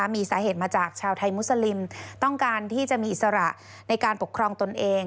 มีสาเหตุมาจากชาวไทยมุสลิมต้องการที่จะมีอิสระในการปกครองตนเอง